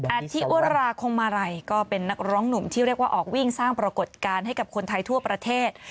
อาทิอุราคงมาลัยก็เป็นนักร้องหนุ่มที่เรียกว่าออกวิ่งสร้างปรากฏการณ์ให้กับคนไทยทั่วประเทศ